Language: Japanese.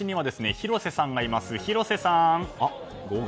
広瀬さん。